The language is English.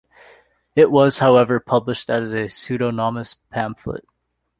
It was, however, published as a pseudonymous pamphlet.